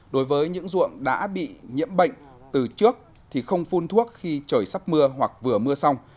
đối với những ruộng đã bị nhiễm bệnh từ trước thì không phun thuốc khi trời sắp mưa hoặc vừa mưa xong